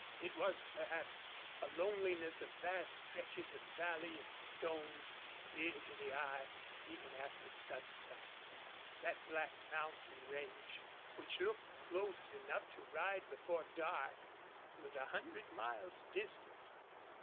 It was, perhaps, a loneliness of vast stretches of valley and stone, clear to the eye, even after sunset. That black mountain range, which looked close enough to ride to before dark, was a hundred miles distant.